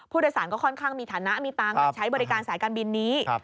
ผู้โดยสารก็ค่อนข้างมีฐานะมีตังค์ใช้บริการสายการบินนี้